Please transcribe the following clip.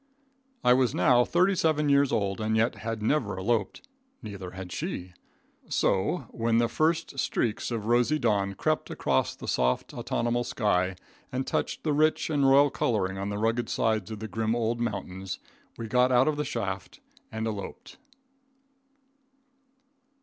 I was now thirty seven years old, and yet had never eloped. Neither had she. So, when the first streaks of rosy dawn crept across the soft, autumnal sky and touched the rich and royal coloring on the rugged sides of the grim old mountains, we got out of the shaft and eloped.